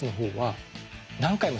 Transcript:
何回も。